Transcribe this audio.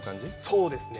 そうですね。